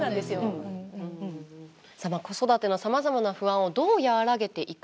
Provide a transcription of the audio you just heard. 子育てのさまざまな不安をどう和らげていくのか。